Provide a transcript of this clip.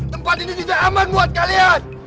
tempat ini tidak aman buat kalian